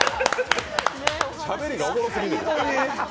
しゃべりがおもろすぎます。